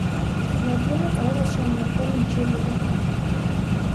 Ձվադրումը կարող է շարունակվել մինչև երեք օր։